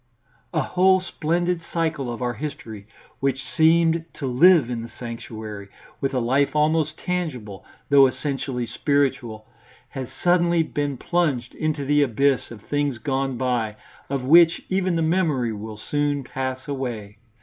A whole splendid cycle of our history which seemed to live in the sanctuary, with a life almost tangible, though essentially spiritual, has suddenly been plunged into the abyss of things gone by, of which even the memory will soon pass away.